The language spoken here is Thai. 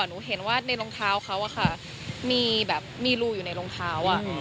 หนูเห็นว่าในรองเท้าเขามีแบบมีรูอยู่ในรองเท้า